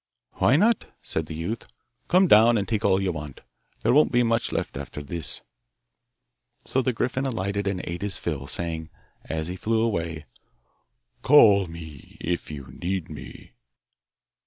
'Why not?' said the youth. 'Come down and take all you want. There won't be much left after this.' So the griffin alighted and ate his fill, saying, as he flew away, 'Call me if you need me.